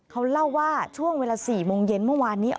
เขาเล่าว่าช่วงเวลา๔โมงเย็นเมื่อวานนี้